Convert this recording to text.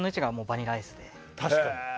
確かに！